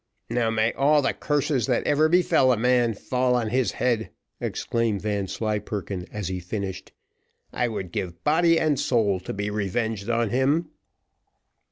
"Now may all the curses that ever befell a man fall on his head!" exclaimed Vanslyperken as he finished. "I would give soul and body to be revenged on him."